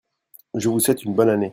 je vous souhaite une bonne année.